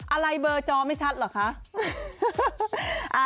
อะไรเบอร์จอไม่ชัดเหรอคะ